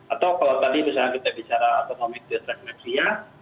atau kalau tadi misalnya kita bicara autonomic detreflexia